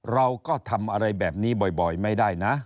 เราก็ทำอะไรแบบนี้บ่อยไม่ได้นะ